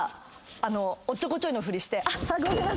おっちょこちょいのふりして。